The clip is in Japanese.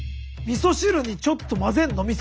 みそ汁にちょっと混ぜるの？